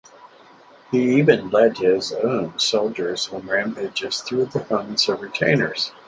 He even led his own soldiers on rampages through the homes of retainers.